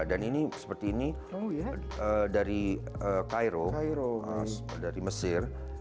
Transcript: dan ini seperti ini dari cairo dari mesir